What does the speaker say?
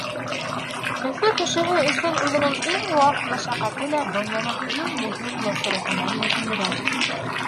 Өфө кешеһе өсөн үҙенең иң ваҡ мәшәҡәте лә донъяның иң мөһим мәсьәләһенән мөһимерәк.